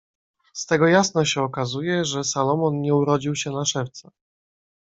"Z tego jasno się okazuje, że Salomon nie urodził się na szewca."